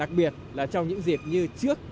đặc biệt là trong những dịp như trước